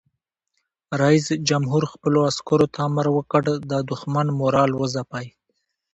رئیس جمهور خپلو عسکرو ته امر وکړ؛ د دښمن مورال وځپئ!